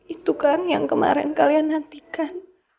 itu kan yang kemarin kalian nantikan